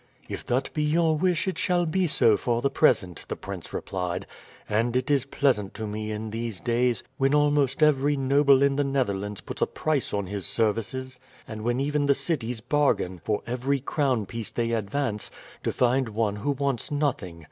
"If that be your wish, it shall be so for the present," the prince replied; "and it is pleasant to me in these days, when almost every noble in the Netherlands puts a price on his services, and when even the cities bargain for every crown piece they advance, to find one who wants nothing.